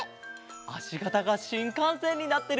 あしがたがしんかんせんになってる！